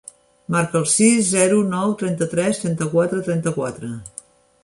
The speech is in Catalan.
Marca el sis, zero, nou, trenta-tres, trenta-quatre, trenta-quatre.